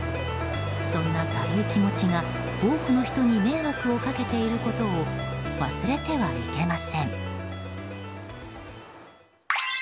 そんな軽い気持ちが、多くの人に迷惑をかけていることを忘れてはいけません。